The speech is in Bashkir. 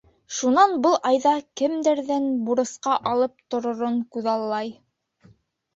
Шунан был айҙа кемдәрҙән бурысҡа алып торорон күҙаллай.